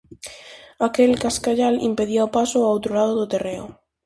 Aquel cascallal impedía o paso ao outro lado do terreo.